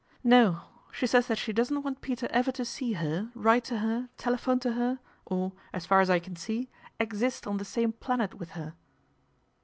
" No, she says that she doesn't want Peter ever to see her, write to her, telephone to her, or, as far as I can see, exist on the same planet with her."